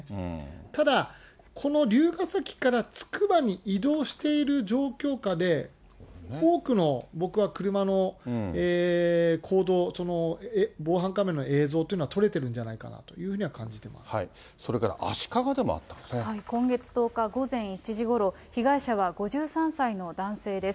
ただ、この龍ケ崎からつくばに移動している状況下で、多くの、僕は車の行動、防犯カメラの映像というのは撮れてるんじゃないかなというふうにそれから足利でもあったんで今月１０日午前１時ごろ、被害者は５３歳の男性です。